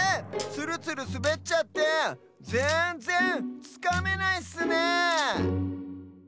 ツルツルすべっちゃってぜんぜんつかめないッスねえ。